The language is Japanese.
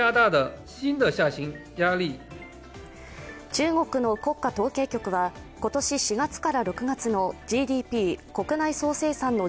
中国の国家統計局は今年４月から６月のＧＤＰ＝国内総生産の